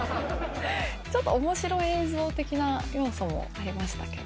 ちょっとおもしろ映像的な要素もありましたけど。